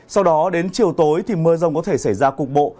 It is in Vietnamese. sau đó đến chiều tối thì mưa rông có thể xảy ra cục bộ